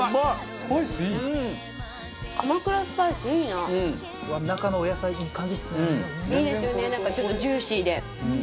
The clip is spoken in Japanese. なんかちょっとジューシーで。